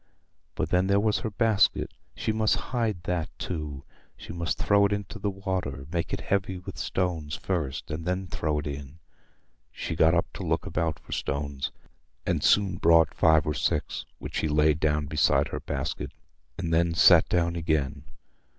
But then there was her basket—she must hide that too. She must throw it into the water—make it heavy with stones first, and then throw it in. She got up to look about for stones, and soon brought five or six, which she laid down beside her basket, and then sat down again.